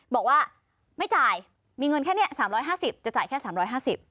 บอกว่าไม่จ่ายมีเงินแค่นี้๓๕๐บาทจะจ่ายแค่๓๕๐บาท